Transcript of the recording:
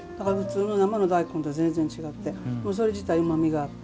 生の大根と全然違ってそれ自体、うまみがあって。